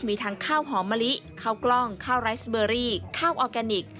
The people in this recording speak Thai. มีทั้งข้าวหอมมะลิข้าวกล้องข้าวไรสเบอรี่ข้าวออร์แกนิค